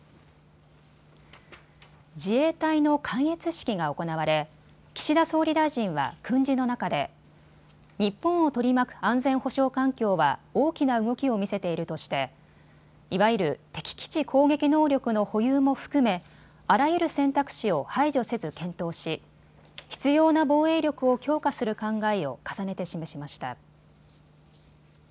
自衛隊の観閲式が行われ岸田総理大臣は訓示の中で日本を取り巻く安全保障環境は大きな動きを見せているとしていわゆる敵基地攻撃能力の保有も含めあらゆる選択肢を排除せず検討し必要な防衛力を強化する考えを重ねて示しました。